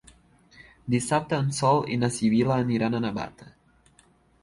Dissabte en Sol i na Sibil·la aniran a Navata.